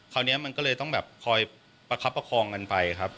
คราวนี้มันก็เลยต้องแบบคอยประคับประคองกันไปครับ